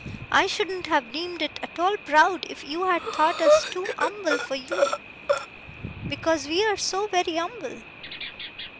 I shouldn't have deemed it at all proud if you had thought US too umble for you. Because we are so very umble.